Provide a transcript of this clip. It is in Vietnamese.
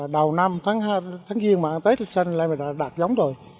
đầu năm tháng hai tháng ba mà tết là xanh là mình đã đạt giống rồi